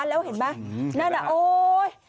แล้วเห็นไหมนั่นน่ะโอ๊ย